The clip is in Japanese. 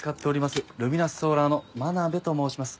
ルミナスソーラーの真鍋と申します。